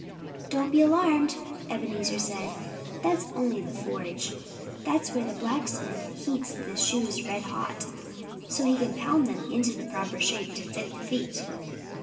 "Don't be alarmed!" Ebenezer said. "That's only the forge. That's where the blacksmith heats the shoes red hot, so he can pound them into the proper shape to fit the feet."